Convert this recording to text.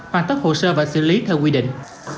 hoàn tất hồ sơ và xử lý theo quy định